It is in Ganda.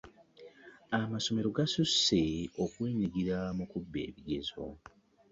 Amasomero gasusse okwenyigira mu kubba ebigezo.